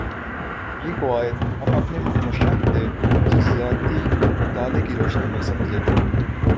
یہ قواعد ہم اپنے مشاہدے اور تجزیاتی مطالعے کی روشنی میں سمجھ لیتے ہیں